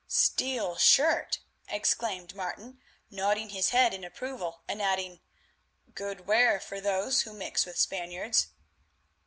"Steel shirt!" exclaimed Martin, nodding his head in approval, and adding, "good wear for those who mix with Spaniards."